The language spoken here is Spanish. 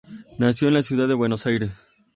Nació en la ciudad de Buenos Aires.